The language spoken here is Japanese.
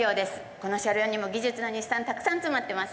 この車両にも技術の日産、たくさん詰まっています。